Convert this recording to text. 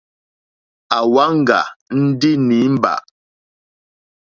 À wáŋɡà ndí nǐmbà.